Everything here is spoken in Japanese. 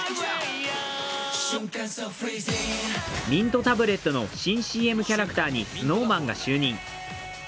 ミントタブレットの新ＣＭキャラクターにＳｎｏｗＭａｎが就任。